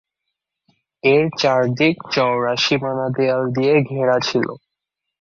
এর চারদিক চওড়া সীমানা দেয়াল দিয়ে ঘেরা ছিল।